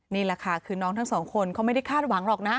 นี่แหละค่ะคือน้องทั้งสองคนเขาไม่ได้คาดหวังหรอกนะ